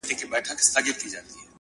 تا ولي په مسکا کي قهر وخندوئ اور ته ـ